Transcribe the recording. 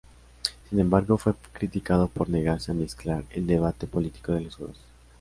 Sin embargo, fue criticado por negarse a mezclar el debate político en los Juegos.